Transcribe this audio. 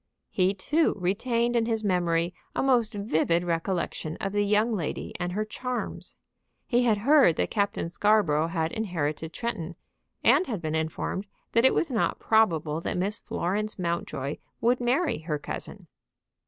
He, too, retained in his memory a most vivid recollection of the young lady and her charms. He had heard that Captain Scarborough had inherited Tretton, and had been informed that it was not probable that Miss Florence Mountjoy would marry her cousin.